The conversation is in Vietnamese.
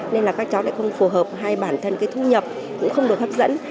nên là các cháu lại không phù hợp hay bản thân cái thu nhập cũng không được hấp dẫn